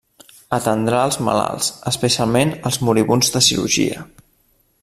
Atendrà els malalts, especialment els moribunds de cirurgia.